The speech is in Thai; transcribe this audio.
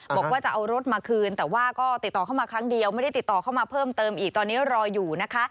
บอกว่าจะเอารถมาคืนแต่ว่าก็ติดต่อเข้ามาครั้งเดียวไม่ได้ติดต่อเข้ามาเพิ่มเติมอีกตอนนี้รออยู่นะคะ